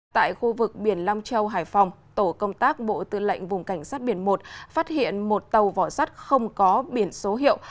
tại khu vực biển long châu hải phòng tổ công tác bộ tư lệnh vùng cảnh sát biển một phát hiện một tàu vỏ sắt không có biển số hiệu